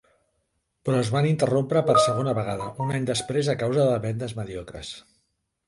Però es van interrompre per segona vegada un any després a causa de vendes mediocres.